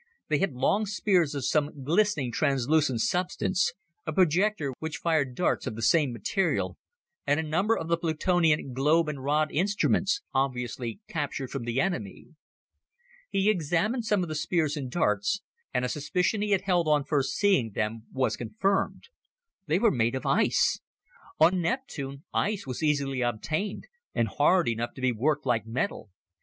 They had long spears of some glistening translucent substance, a projector which fired darts of the same material, and a number of the Plutonian globe and rod instruments obviously captured from the enemy. He examined some of the spears and darts, and a suspicion he had held on first seeing them was confirmed. These were made of ice! On Neptune, ice was easily obtained and hard enough to be worked like metal.